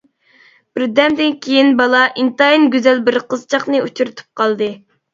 بىردەمدىن كېيىن، بالا ئىنتايىن گۈزەل بىر قىزچاقنى ئۇچرىتىپ قالدى.